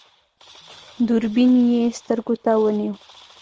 دوربين يې سترګو ته ونيو.